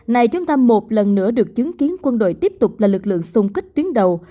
này chúng ta một lần nữa được chứng kiến quân đội tiếp tục là lực lượng xung kích tuyến đầu